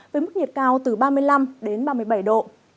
với mức nhiệt cao từ ba mươi năm đến ba mươi bảy độ